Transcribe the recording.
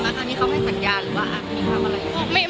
สังพันธ์ที่เขาให้สัญญาหรือว่า